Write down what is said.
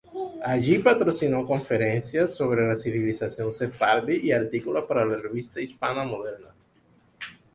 Allí patrocinó conferencias sobre la civilización sefardí y artículos para la "Revista Hispánica Moderna".